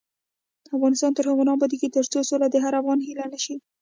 افغانستان تر هغو نه ابادیږي، ترڅو سوله د هر افغان هیله نشي.